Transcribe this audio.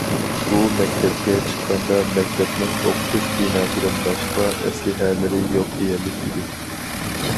ئۇ مەكتەپكە چىققاندا مەكتەپنىڭ ئوقۇتۇش بىناسىدىن باشقا ئەسلىھەلىرى يوق دېيەرلىك ئىدى.